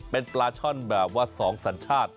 เป็นปลาช่อนแบบว่า๒สัญชาติ